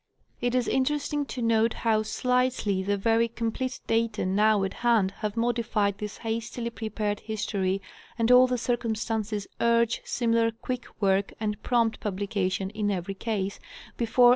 It is interesting to note how slightly the very complete data now at hand have modified this hastily prepared history, and all the circumstances urge similar quick work and prompt publica tion in every case, before.